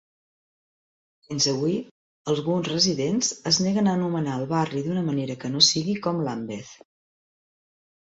Fins avui, alguns residents es neguen a anomenar al barri d'una manera que no sigui com Lambeth.